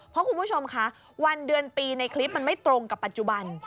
เพราะคุณผู้ชมคะวันเดือนปีในคลิปมันไม่ตรงกับปัจจุบัน